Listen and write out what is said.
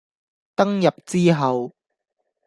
登入之後